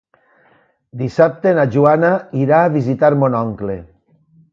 Dissabte na Joana irà a visitar mon oncle.